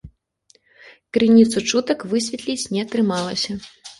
Крыніцу чутак высветліць не атрымалася.